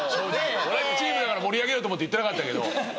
同じチームだから盛り上げようと思って言ってなかったけど。